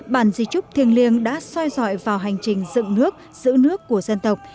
bản di trúc thiêng liêng đã xoay dọi vào hành trình dựng nước giữ nước của dân tộc